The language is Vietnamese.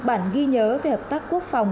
bản ghi nhớ về hợp tác quốc phòng